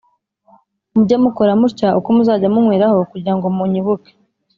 mujye mukora mutya uko muzajya munyweraho kugira ngo munyibuke